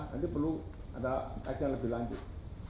nanti perlu ada kajian lebih lanjut